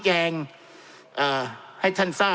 จำนวนเนื้อที่ดินทั้งหมด๑๒๒๐๐๐ไร่